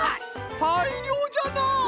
たいりょうじゃな！